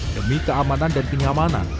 demi keamanan dan penyamanan